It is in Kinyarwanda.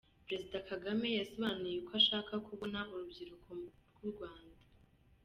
Perezida Kagame yasobanuye uko ashaka kubona urubyiruko rw’u Rwanda.